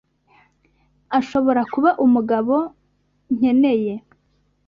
Ashobora kuba umugabo nkeneye.